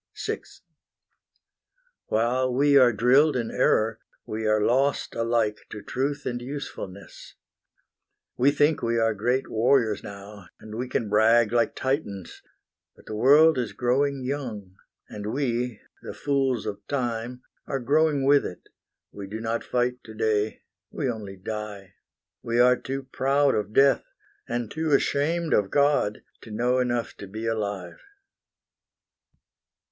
VI While we are drilled in error, we are lost Alike to truth and usefulness. We think We are great warriors now, and we can brag Like Titans; but the world is growing young, And we, the fools of time, are growing with it: We do not fight to day, we only die; We are too proud of death, and too ashamed Of God, to know enough to be alive.